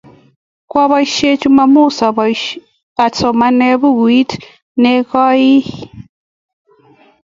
Kwapaisyen Chumamos asoman bukuit nekoiy.